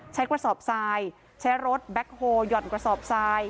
ใช้กระสอบซายใช้รถแบคโฮล์หย่อนกระสอบซาย